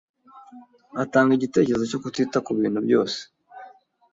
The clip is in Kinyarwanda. Atanga igitekerezo cyo kutita kubintu byose.